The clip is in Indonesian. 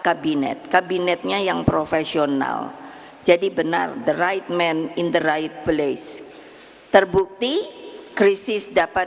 kabinet kabinetnya yang profesional jadi benar the right man in the right place terbukti krisis dapat